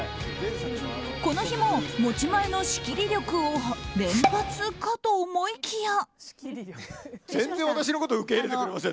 この日も持ち前の仕切り力を連発かと思いきや。